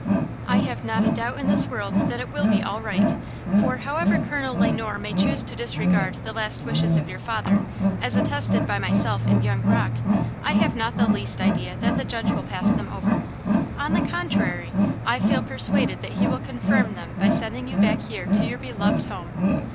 "I have not a doubt in this world that it will all be right, for, however Colonel Le Noir may choose to disregard the last wishes of your father, as attested by myself and young Rocke, I have not the least idea that the judge will pass them over. On the contrary, I feel persuaded that he will confirm them by sending you back here to your beloved home."